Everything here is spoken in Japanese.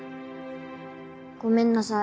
ごめんなさい。